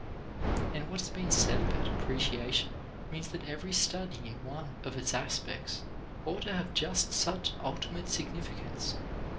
And what has been said about appreciation means that every study in one of its aspects ought to have just such ultimate significance.